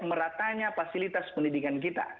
meratanya fasilitas pendidikan kita